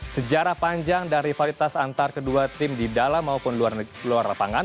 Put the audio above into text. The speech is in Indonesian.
sejarah panjang dan rivalitas antar kedua tim di dalam maupun luar lapangan